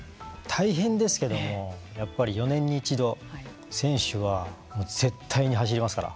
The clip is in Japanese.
大変ですけどもやっぱり４年に一度選手は絶対に走りますから。